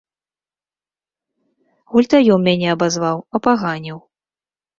Гультаём мяне абазваў, апаганіў.